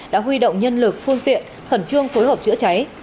đã huy động nhân lực phương tiện khẩn trương phối hợp chữa cháy